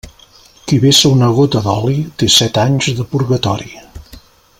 Qui vessa una gota d'oli, té set anys de purgatori.